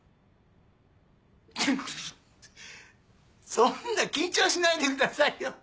そんな緊張しないでくださいよ。